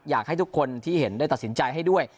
อยากให้ทุกคนที่เห็นได้ตัดสินใจให้ด้วย